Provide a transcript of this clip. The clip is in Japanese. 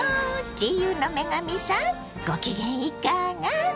自由の女神さんご機嫌いかが？